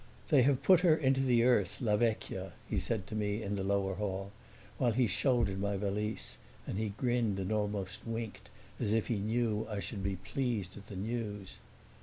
"They have put her into the earth, la vecchia," he said to me in the lower hall, while he shouldered my valise; and he grinned and almost winked, as if he knew I should be pleased at the news.